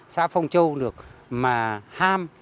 xã phong châu được mà ham